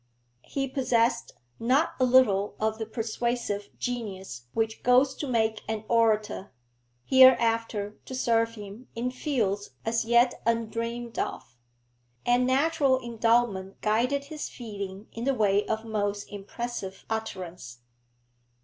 He possessed not a little of the persuasive genius which goes to make an orator hereafter to serve him in fields as yet undreamed of and natural endowment guided his feeling in the way of most impressive utterance.